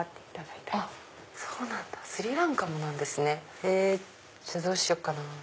じゃあどうしようかな。